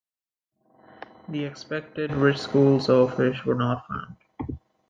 The expected rich schools of fish were not found.